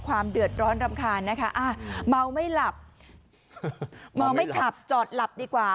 ความเดือดร้อนรำคาญนะคะเมาไม่หลับเมาไม่ขับจอดหลับดีกว่า